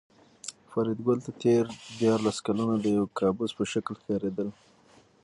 فریدګل ته تېر دیارلس کلونه د یو کابوس په شکل ښکارېدل